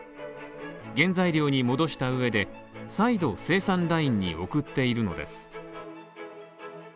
原材料に戻した上で再度生産ラインに送っているのです。